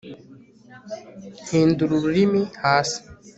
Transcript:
hindura urumuri hasi